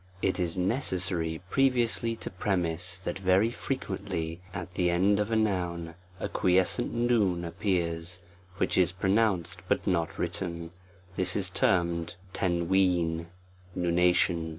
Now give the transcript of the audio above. IT is necessary previously to premise, that very frequently at the end of a noun a quiescent ^ appears, which is pronounced but not written; this j * A ' is termed ^* nunnalion.